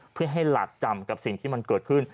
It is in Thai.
เพื่อให้หลาดจำกับสิ่งที่มันเกิดขึ้น